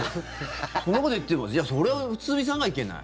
そんなこと言ってるからいや、それは堤さんがいけない。